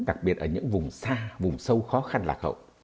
đặc biệt ở những vùng xa vùng sâu khó khăn lạc hậu